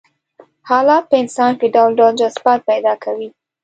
حالات په انسان کې ډول ډول جذبات پيدا کوي.